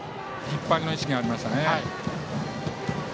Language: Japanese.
引っ張りの意識がありましたね。